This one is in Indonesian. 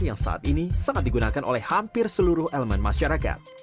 yang saat ini sangat digunakan oleh hampir seluruh elemen masyarakat